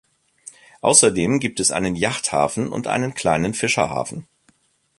Außerdem gibt es einen Yachthafen und einen kleinen Fischerhafen.